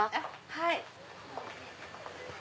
はい。